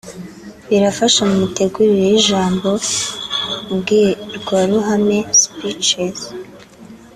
Birafasha mu mitegurire y’ijambo mbwirwaruhame (speeches)